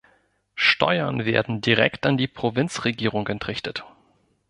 Steuern werden direkt an die Provinzregierung entrichtet.